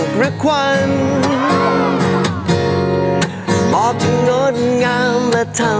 ปุ๊บ